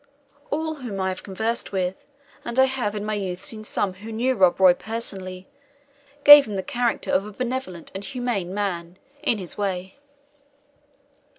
All whom I have conversed with, and I have in my youth seen some who knew Rob Roy personally, give him the character of a benevolent and humane man "in his way."